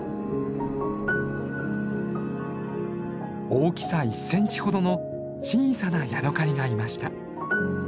大きさ１センチほどの小さなヤドカリがいました。